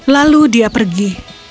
lalu dia pergi